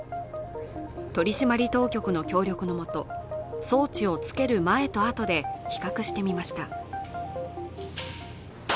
取り締まり当局の協力のもと装置をつける前と後で比較してみました。